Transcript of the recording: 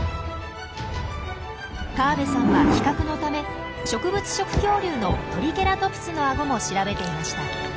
河部さんは比較のため植物食恐竜のトリケラトプスのアゴも調べていました。